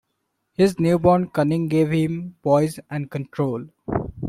His newborn cunning gave him poise and control.